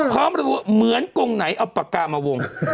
เขาเหมือนกงไหนเอาปากกามาวง